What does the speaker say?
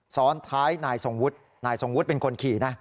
ซ้อนท้ายนายทรงวุฒินายทรงวุฒิเป็นคนขี่นะ